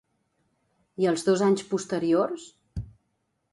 I els dos anys posteriors?